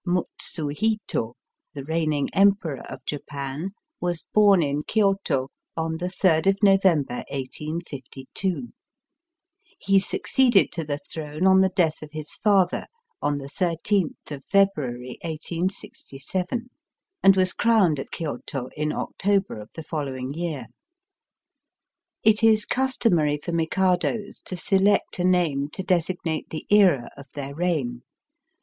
Mutsu Hito, the reigning Emperor of Japan, was bom in Kioto, on the 3rd of November, 1862. He succeeded to the throne on the death of his father, on the 13th of February, 1867, and was crowned at Kioto in October of the following year. It is customary for Mikados to select a name to designate the era of their reign.